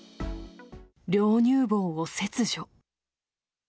両乳房を切除。